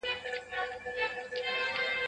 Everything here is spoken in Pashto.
زما امام دی